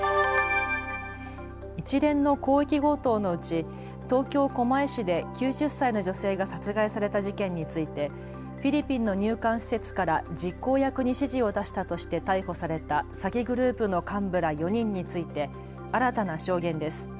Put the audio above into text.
一連の広域強盗のうち東京狛江市で９０歳の女性が殺害された事件についてフィリピンの入管施設から実行役に指示を出したとして逮捕された詐欺グループの幹部ら４人について新たな証言です。